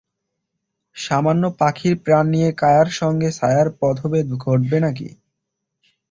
সামান্য পাখির প্রাণ নিয়ে কায়ার সঙ্গে ছায়ার পথভেদ ঘটবে না কি?